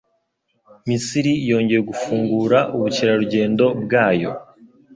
Misiri yongeye gufungura ubukerarugendo bwayo